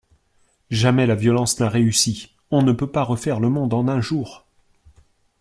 Jamais la violence n'a réussi, on ne peut pas refaire le monde en un jour.